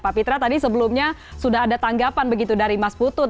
pak pitra tadi sebelumnya sudah ada tanggapan begitu dari mas putut